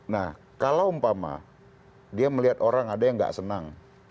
nah kalau umpama dia melihat orang ada yang nggak senang